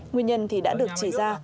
nguyên nhân thì đã được chỉ ra